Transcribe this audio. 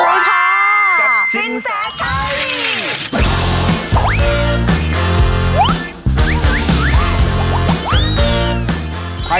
กับสินแสใช้